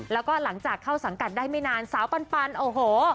แล้วก็หลังจากเข้าสังกัดได้ไม่นานสาวปันโอ้โห